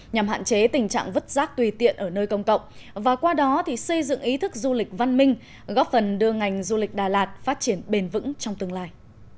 nhằm hạn chế tình trạng vứt rác tùy tiện ở nơi công cộng và qua đó xây dựng ý thức du lịch văn minh góp phần đưa ngành du lịch đà lạt phát triển bền vững trong tương lai